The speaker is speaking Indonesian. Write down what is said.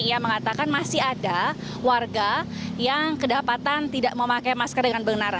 ia mengatakan masih ada warga yang kedapatan tidak memakai masker dengan benar